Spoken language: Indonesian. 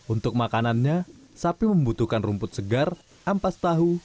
untuk makanannya sapi membutuhkan rumput segar ampas tahu